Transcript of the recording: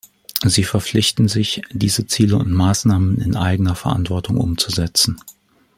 Sie verpflichten sich, diese Ziele und Maßnahmen in eigener Verantwortung umzusetzen.